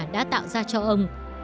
đã tạo ra cho ông